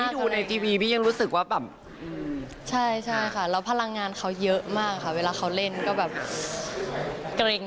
ดูในทีวีพี่ยังรู้สึกว่าแบบใช่ใช่ค่ะแล้วพลังงานเขาเยอะมากค่ะเวลาเขาเล่นก็แบบเกร็ง